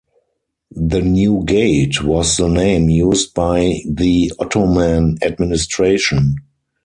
The "New Gate" was the name used by the Ottoman administration.